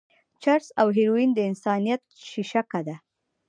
چرس او هيروين د انسانيت شېشکه ده.